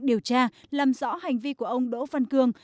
điều tra làm rõ hành vi của ông đỗ văn cương